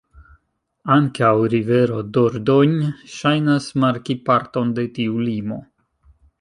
Ankaŭ rivero Dordogne ŝajnas marki parton de tiu limo.